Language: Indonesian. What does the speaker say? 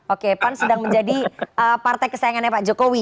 oke pan sedang menjadi partai kesayangannya pak jokowi